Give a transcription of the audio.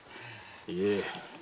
いえ。